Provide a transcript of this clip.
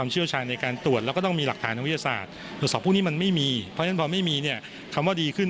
เพราะฉะนั้นพอไม่มีคำว่าดีขึ้น